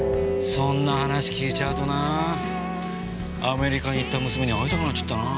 そんな話聞いちゃうとなアメリカに行った娘に会いたくなっちゃったなぁ。